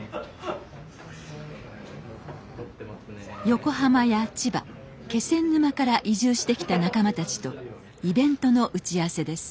横浜や千葉気仙沼から移住してきた仲間たちとイベントの打ち合わせです。